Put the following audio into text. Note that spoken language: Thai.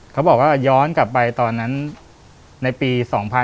เขาบอกว่าย้อนกลับไปตอนนั้นในปี๒๕๖๒